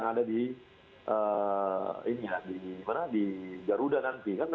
jadi mereka juga akan membenahi semua masalah yang ada di garuda